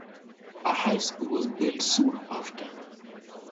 A high school was built soon after.